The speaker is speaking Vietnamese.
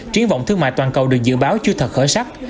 triến vọng thương mại toàn cầu được dự báo chưa thật khởi sắc